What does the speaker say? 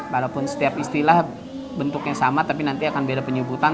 walaupun setiap istilah bentuknya sama tapi nanti akan beda penyebutan